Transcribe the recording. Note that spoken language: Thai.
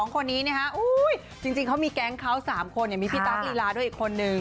คนนี้นะฮะจริงเขามีแก๊งเขา๓คนมีพี่ตั๊กลีลาด้วยอีกคนนึง